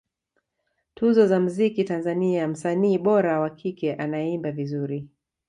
Tuzo za mziki Tanzania msanii bora wa kike anayeimba vizuri